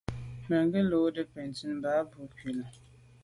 Bə̌k gə̀ mə́ lódə́ bə̀ncìn mbā bū cʉ lá.